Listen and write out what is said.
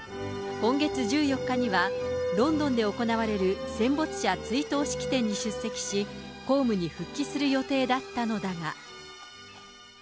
今月１４日には、ロンドンで行われる戦没者追悼式典に出席し、公務に復帰する予定だったのだが。